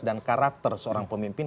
dan karakter seorang pemimpin